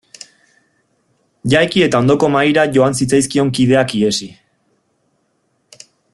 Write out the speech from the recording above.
Jaiki eta ondoko mahaira joan zitzaizkion kideak ihesi.